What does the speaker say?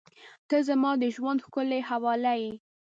• ته زما د ژونده ښکلي حواله یې.